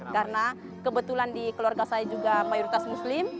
karena kebetulan di keluarga saya juga mayoritas muslim